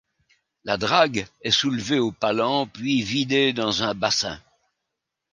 La drague est soulevée au palan puis vidée dans un bassin.